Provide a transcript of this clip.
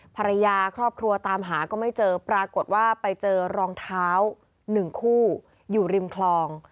ภรรยาครอบครัวตามหาก็ไม่เจอปรากฏว่าไปเจอรองเท้า๑คู่อยู่ริมคลอง